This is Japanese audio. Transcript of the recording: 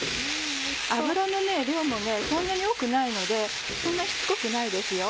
油の量もそんなに多くないのでそんなしつこくないですよ。